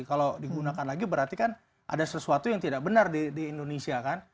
kalau digunakan lagi berarti kan ada sesuatu yang tidak benar di indonesia kan